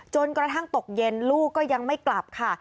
จนกระทั่งตกเย็นลูกก็ยังไม่กลับค่ะ